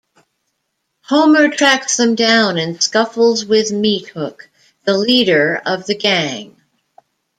Homer tracks them down and scuffles with Meathook, the leader of the gang.